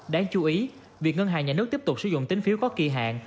đáng chú ý việc ngân hàng nhà nước tiếp tục sử dụng tính phiếu có kỳ hạn